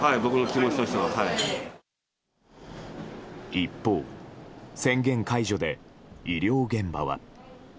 一方、宣言解除で医療現場は。